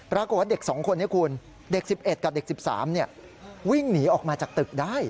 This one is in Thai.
ปรากฏว่าเด็ก๒คนนี้คุณเด็ก๑๑กับเด็ก๑๓วิ่งหนีออกมาจากตึกได้